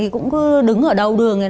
cũng cứ đứng ở đầu đường này